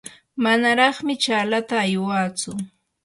manaraqmi chaalata aywatsu.